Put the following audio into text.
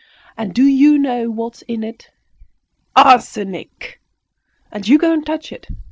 And do you know what is in it? Arsenic! And you go and touch it!